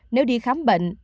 nếu đi khám bệnh